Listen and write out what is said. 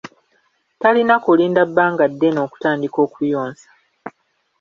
Talina kulinda bbanga ddene okutandika okuyonsa.